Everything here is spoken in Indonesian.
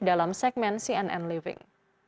dalam segmen cnn living